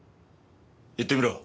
言ってみろ。